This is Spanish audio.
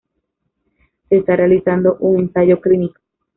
Se está realizando un ensayo clínico.